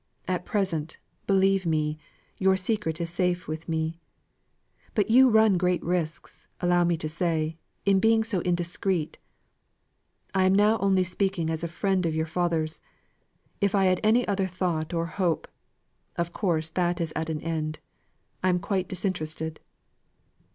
At present, believe me, your secret is safe with me. But you run great risks, allow me to say, in being so indiscreet. I am only speaking as a friend of your father's: if I had any other thought or hope, of course that is at an end. I am quite disinterested."